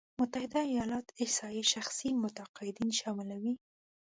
متحده ایالات احصایې شخصي مقاعدين شاملوي.